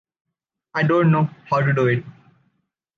I don’t know how to do it.